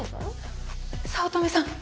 早乙女さん